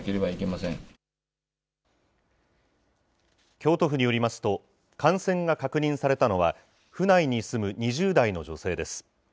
京都府によりますと、感染が確認されたのは、府内に住む２０代の女性です。